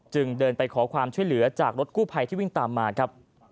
จึงเดินไปขอความช่วยเหลือจากรถกู้ภัยที่วิ่งตามมาครับ